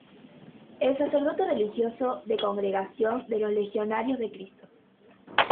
Es sacerdote religioso de Congregación de los Legionarios de Cristo.